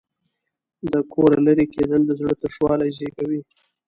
د کوره لرې کېدل د زړه تشوالی زېږوي.